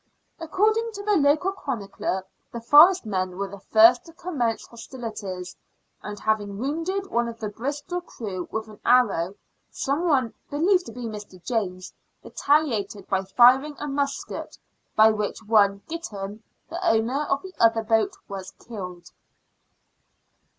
According to the local chronicler, the Forest men were the first to commence hostilities, and having wounded one of the Bristol crew with an arrow, someone, believed to be Mr. James, retaliated by firing a musket, by which one Gitton, the owner of the other boat, was killed.